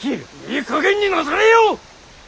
いいかげんになされよ！